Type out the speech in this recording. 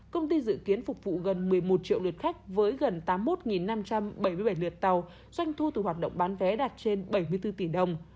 công ty dự kiến phục vụ gần một mươi một triệu lượt khách với gần tám mươi một năm trăm bảy mươi bảy lượt tàu doanh thu từ hoạt động bán vé đạt trên bảy mươi bốn tỷ đồng